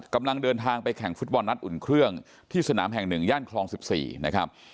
กำลังเดินทางไปแข่งฟุตบอลนัดอุ่นเครื่องที่สนามแห่ง๑ย่านคลอง๑๔นะครับ